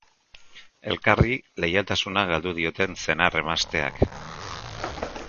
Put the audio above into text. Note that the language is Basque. Elkarri leialtasuna galdu dioten senar-emazteak.